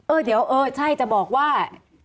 เออเดี๋ยวเออใช่จะบอกว่า